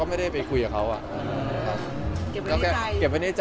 ก็ไม่มีใครเป็นแม่ศืน